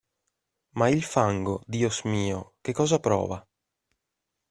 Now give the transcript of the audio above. Ma il fango, Dios mio, che cosa prova?